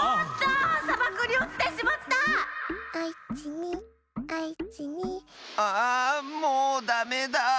あんもうダメだ。